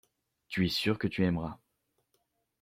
Tu es sûr que tu aimeras.